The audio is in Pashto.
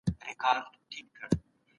د لویې جرګي په اړه د عامو خلګو نظر څه دی؟